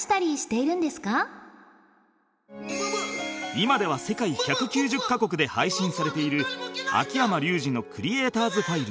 今では世界１９０カ国で配信されている秋山竜次の「クリエイターズ・ファイル」